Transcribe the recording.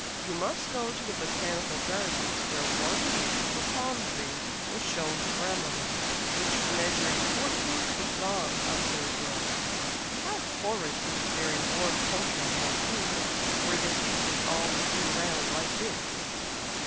"You must go to the Botanical Gardens, where one leaf of a palm tree was shown to grandmama, which measured fourteen feet long," observed Laura. "How horrid these very warm countries must be, where the heat is all the year round like this!"